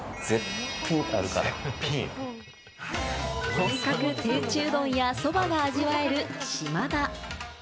本格手打ちうどんや、そばが味わえる「しまだ」。